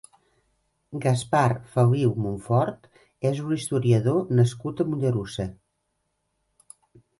Gaspar Feliu Monfort és un historiador nascut a Mollerussa.